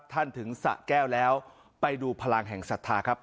ถึงสะแก้วแล้วไปดูพลังแห่งศรัทธาครับ